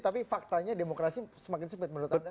tapi faktanya demokrasi semakin sempit menurut anda